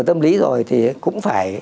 tâm lý rồi thì cũng phải